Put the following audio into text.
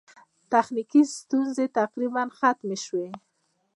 تخنیکي ستونزې تقریباً ختمې شوې.